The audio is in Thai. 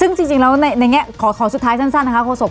ซึ่งจริงแล้วในแง่ขอสุดท้ายสั้นนะคะโฆษก